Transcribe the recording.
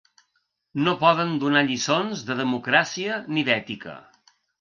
No poden donar lliçons de democràcia ni d’ètica.